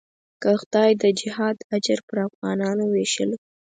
که خدای د جهاد اجر پر افغانانو وېشلو.